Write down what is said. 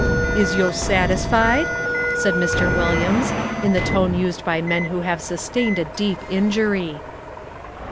"Is yo' satisfied?" said Mr. Williams, in the tone used by men who have sustained a deep injury.